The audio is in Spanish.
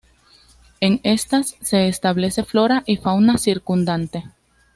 En estas se establece flora y fauna circundante.